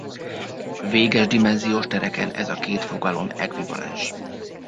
Véges dimenziós tereken ez a két fogalom ekvivalens.